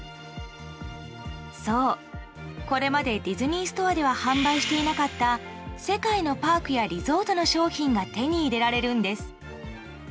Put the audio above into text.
そう、これまでディズニーストアでは販売していなかった世界のパークやリゾートの商品が手に入れられるんです。